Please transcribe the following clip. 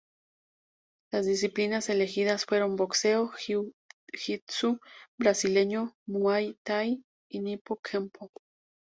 Las disciplinas elegidas fueron boxeo, jiu-jitsu brasileño, muay thai y nippon kempo.